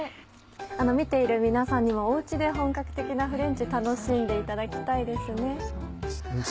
見ている皆さんにもお家で本格的なフレンチ楽しんでいただきたいですね。